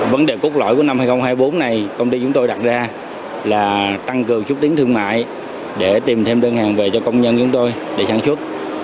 vấn đề cốt lõi của năm hai nghìn hai mươi bốn này công ty chúng tôi đặt ra là tăng cường xúc tiến thương mại để tìm thêm đơn hàng về cho công nhân chúng tôi để sản xuất